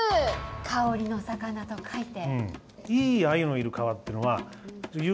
香りの魚と書いて。